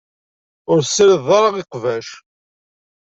Ur tessirid ara iqbac